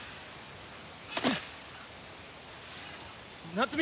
夏美！